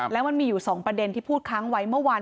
แล้วมันมีอยู่๒ประเด็นที่พูดค้างไว้เมื่อวาน